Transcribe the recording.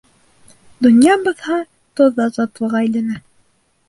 Донъя баҫһа, тоҙ ҙа татлыға әйләнә.